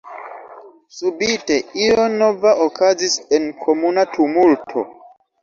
Subite io nova okazis en komuna tumulto.